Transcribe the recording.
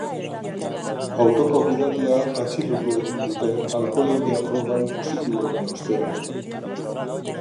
Autoko gidaria atxilotu egin dute alkoholemia frogan positibo eman ostean.